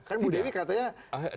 kan bu dewi katanya tidak mencium apa apa